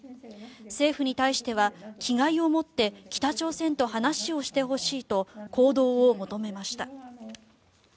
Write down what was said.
政府に対して気概を持って北朝鮮と話をしてほしいと行動を求めました。